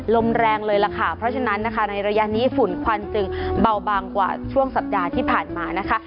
ลมแรงเลยล่ะค่ะเพราะฉะนั้นนะคะในระยะนี้ฝุ่นควันจึงเบาบางกว่าช่วงสัปดาห์ที่ผ่านมานะคะ